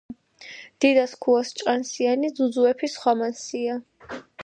დიდა სქუას ჭყანსიანი ძუძუეფი ხვამანსია.